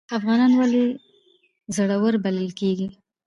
افغانان ولې زړور بلل کیږي؟